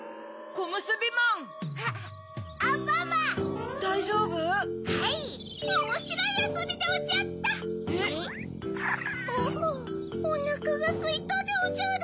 グゥおっおなかがすいたでおじゃる。